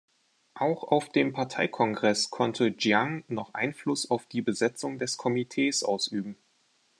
Auch auf dem Parteikongress konnte Jiang noch Einfluss auf die Besetzung des Komitees ausüben.